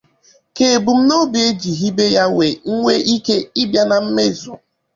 ka ebumnobi e jiri hibe ya wee nwee ike ịbịa na mmezù.